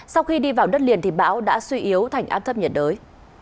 sau khi đi vào đất liền thì bão đã suy yếu thành áp thấp nhiệt đới